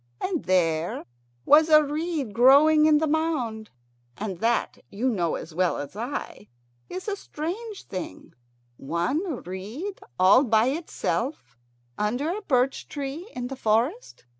And there was a reed growing in the mound, and that, you know as well as I, is a strange thing, one reed all by itself under a birch tree in the forest.